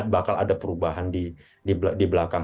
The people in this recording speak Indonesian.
bakal ada perubahan di belakang